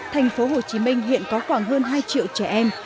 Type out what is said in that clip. thành phố hồ chí minh hiện có khoảng hơn hai triệu trẻ em